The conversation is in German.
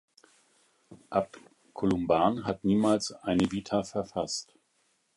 Abt Columban hat niemals eine Vita verfasst.